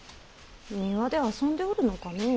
庭で遊んでおるのかの。